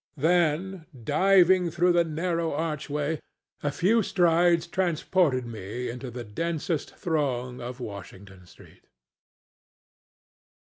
Then, diving through the narrow archway, a few strides transported me into the densest throng of Washington street.